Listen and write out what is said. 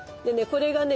これがね